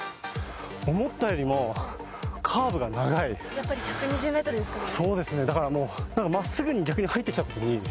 やっぱり１２０ｍですからね。